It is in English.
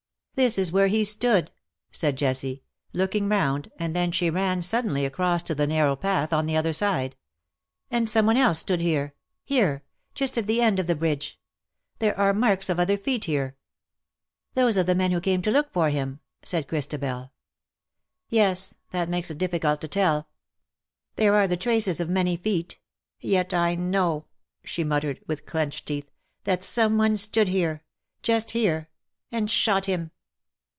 "This is where he stood,"*^ said Jessie, looking round, and then she ran suddenly across to the narrow path on the other side. " And some one else stood here — here — just at the end of the bridge. There are marks of other feet here.^"* " Those of the men who came to look for him,"*^ said Christ abel. " Yes ; that makes it difficult to tell. There are the traces of many feet. Yet I know,^^ she muttered, with clenched teeth, " that some one stood here — just here — and shot him.